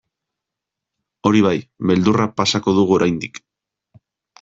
Hori bai, beldurra pasako dugu oraindik.